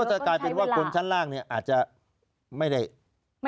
ก็จะกลายเป็นว่าคนชั้นล่างนี่อาจจะไม่ได้บุญ